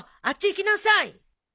あっち行きなさい！